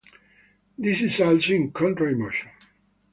This is also in contrary motion.